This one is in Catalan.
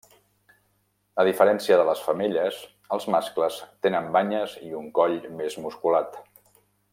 A diferència de les femelles, els mascles tenen banyes i un coll més musculat.